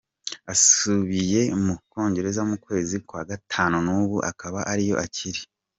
Yasubiye mu Bwongereza mu kwezi kwa gatanu, nubu akaba ariyo akiri.